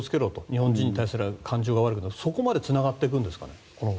日本に対する感情が悪くなるそこまでつながるんですかね。